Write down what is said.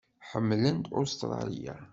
Ḥemmlent Ustṛalya.